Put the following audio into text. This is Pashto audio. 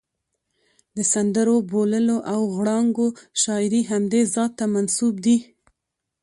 د سندرو، بوللو او غړانګو شاعري همدې ذات ته منسوب دي.